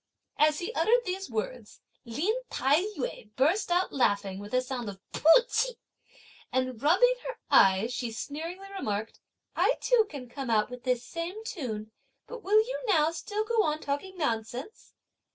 As he uttered these words, Lin Tai yü burst out laughing with a sound of "pu ch'ih," and rubbing her eyes, she sneeringly remarked: "I too can come out with this same tune; but will you now still go on talking nonsense?